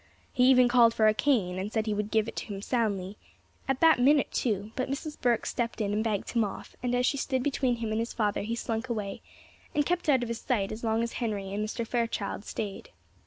He even called for a cane, and said he would give it him soundly, and at that minute too; but Mrs. Burke stepped in and begged him off; and as she stood between him and his father he slunk away, and kept out of his sight as long as Henry and Mr. Fairchild stayed.